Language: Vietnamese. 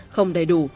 không đầy đủ